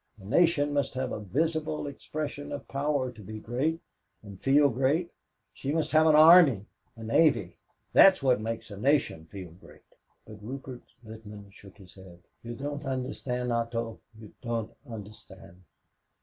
A nation must have a visible expression of power to be great and feel great. She must have an army, a navy that is what makes a nation feel great." But Rupert Littman shook his head. "You don't understand, Otto, you don't understand."